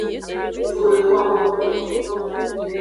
Cu exo.